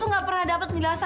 iya mbak lihat lihat ya